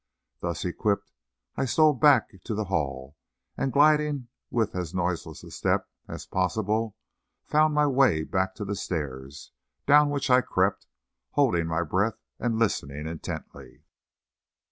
Thus equipped, I stole back again to the hall, and gliding with as noiseless a step as possible, found my way to the back stairs, down which I crept, holding my breath, and listening intently.